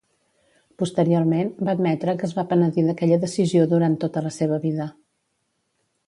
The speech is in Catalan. Posteriorment, va admetre que es va penedir d'aquella decisió durant tota la seva vida.